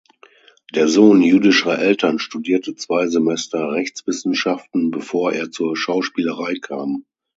Der Sohn jüdischer Eltern studierte zwei Semester Rechtswissenschaften, bevor er zur Schauspielerei kam.